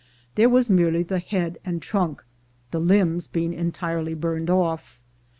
There was merely the head and trunk, the limbs being entirely burned ofF.